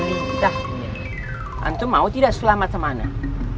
entah nih antung mau tidak selamat sama anak